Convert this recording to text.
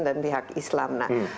dan pihak islam